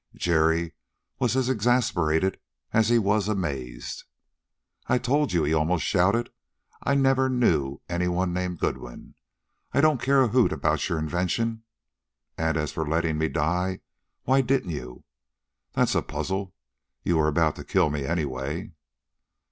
Jerry was as exasperated as he was amazed. "I told you," he almost shouted. "I never knew anyone named Goodwin! I don't care a hoot about your invention. And as for letting me die why didn't you? That's a puzzle: you were about to kill me, anyway."